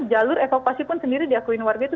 jalur evakuasi pun sendiri diakui warga itu